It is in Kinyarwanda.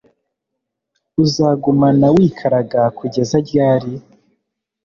Uzagumana wi karaga kugeza ryari